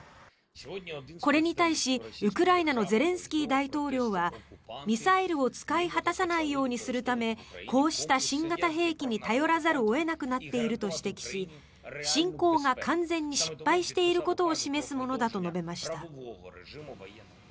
これに対し、ウクライナのゼレンスキー大統領はミサイルを使い果たさないようにするためこうした新型兵器に頼らざるを得なくなっていると指摘し侵攻が完全に失敗していることを示すものだと述べました。